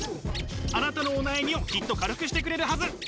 あなたのお悩みをきっと軽くしてくれるはず。